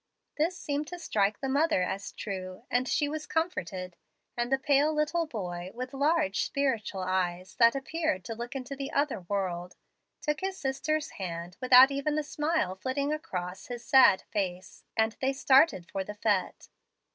"This seemed to strike the mother as true, and she was comforted; and the pale little boy, with large, spiritual eyes that appeared to look into the other world, took his sister's hand without even a smile flitting across his sad face; and they started for the fete.